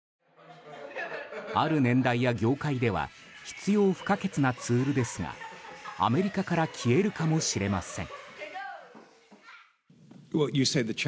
ある年代や業界では必要不可欠なツールですがアメリカから消えるかもしれません。